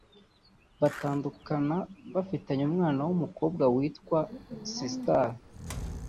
batandukana bafitanye umwana w’umukobwa witwa Crystal